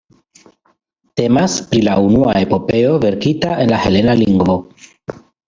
Temas pri la unua epopeo verkita en la helena lingvo.